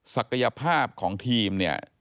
ศักยภาพของทีมเนี่ย